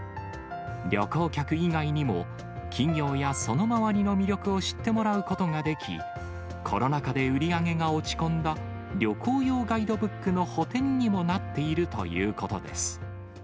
旅行客以外にも企業やその周りの魅力を知ってもらうことができ、コロナ禍で売り上げが落ち込んだ旅行用ガイドブックの補填にもなっているということです。